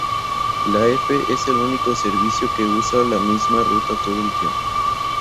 La F es el único servicio que usa la misma ruta todo el tiempo.